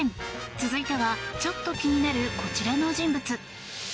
続いてはちょっと気になるこちらの人物。